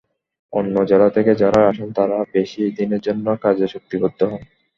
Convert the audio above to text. অন্য জেলা থেকে যাঁরা আসেন তাঁরা বেশি দিনের জন্য কাজে চুক্তিবদ্ধ হন।